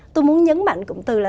tôi muốn nhấn mạnh cụm từ là